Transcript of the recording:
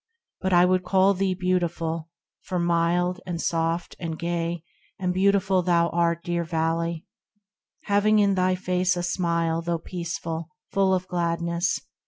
But I would call thee beautiful, for mild, And soft, and gay, and beautiful thou art Dear Valley, having in thy face a smile Though peaceful, full of gladness.